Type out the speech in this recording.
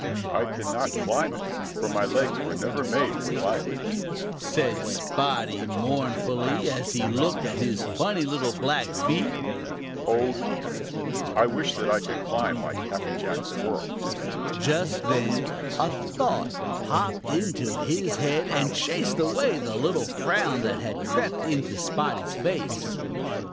"I cannot climb it, for my legs were never made for climbing," said Spotty mournfully as he looked at his funny little black feet. "Oh, dear, I wish that I could climb like Happy Jack Squirrel!" Just then a thought popped into his head and chased away the little frown that had crept into Spotty's face.